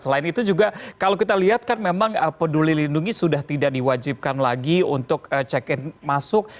selain itu juga kalau kita lihat kan memang peduli lindungi sudah tidak diwajibkan lagi untuk check in masuk